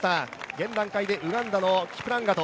現段階でウガンダのキプラガト。